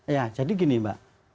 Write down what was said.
ya jadi gini mbak